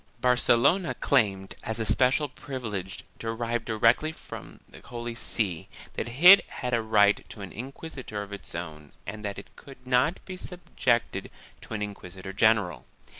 Barcelona claimed, as a special privilege, derived directly from the Holy See, that it had a right to an inquisitor of its own and that it could not be subjected to an inquisitor general.